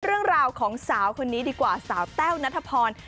เรื่องราวของสาวคนนี้ดีกว่าสาวแต้วนัทพร